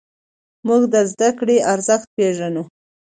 موږ د زدهکړې ارزښت پېژنو.